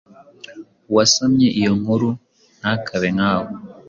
Uwasomye Iyo Nkuru, ntakabe Nkawe.